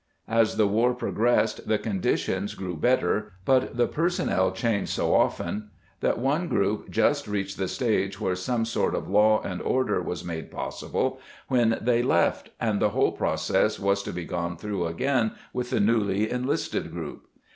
As the war progressed the conditions grew better, but the personnel changed so often that one group just reached the stage where some sort of law and order was made possible when they left and the whole process was to be gone through again with the newly enlisted group.